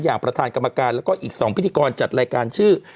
ประธานกรรมการแล้วก็อีก๒พิธีกรจัดรายการชื่อ